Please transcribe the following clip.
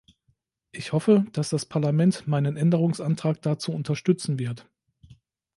Ich hoffe, dass das Parlament meinen Änderungsantrag dazu unterstützen wird.